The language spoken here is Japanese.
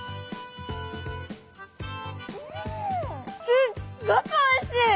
すっごくおいしい！